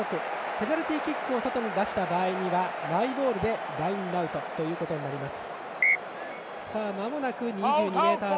ペナルティーキックを外に出した場合にはマイボールでラインアウトとなります。